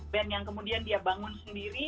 band yang kemudian dia bangun sendiri